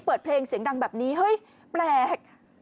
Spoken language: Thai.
เปิดเพลงเสียงดังแบบนี้เฮ้ยแปลก